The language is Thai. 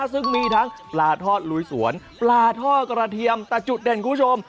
ซึ่งมีทั้งปลาทอดลุยสวนปลาทอดกระเทียมแต่จุดเด่นคุณผู้ชม